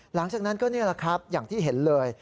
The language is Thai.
หลังจากนั้นก็นี่แหละครับอย่างที่เห็นเลย